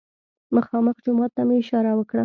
مخامخ جومات ته مې اشاره وکړه.